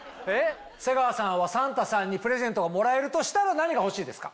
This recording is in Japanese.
瀬川さんはサンタさんにプレゼントがもらえるとしたら何が欲しいですか？